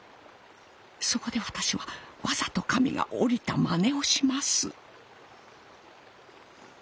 そこで私はわざと神が降りたまねをします。